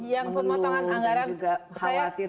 yang memeluh dan juga khawatir